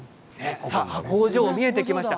工場が見えてきました。